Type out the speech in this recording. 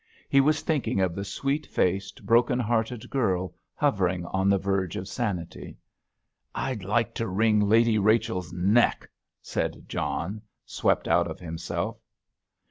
He was thinking of the sweet faced, broken hearted girl, hovering on the verge of sanity. "I'd like to wring Lady Rachel's neck!" said John, swept out of himself.